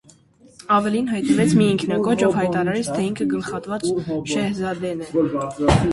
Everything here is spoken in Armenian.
Ավելին, հայտնվեց մի ինքնակոչ, ով հայտարարեց, թե ինքը գլխատված շեհզադեն է։